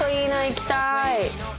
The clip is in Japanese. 行きたい。